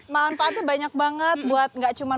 manfaatnya banyak banget buat gak cuman